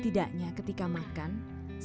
tidak apa apa seharusnya bisavia